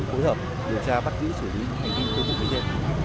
phối hợp điều tra bắt kỹ sử dụng hành vi thuốc như thế